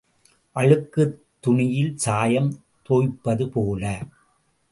அழுக்குத் துணியில் சாயம் தோய்ப்பது போல.